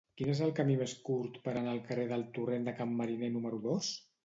Quin és el camí més curt per anar al carrer del Torrent de Can Mariner número dos?